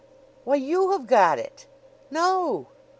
"Why, you have got it!" "No!"